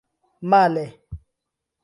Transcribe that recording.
Male!